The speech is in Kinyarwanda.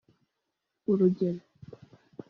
urugero